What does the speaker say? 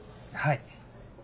はい。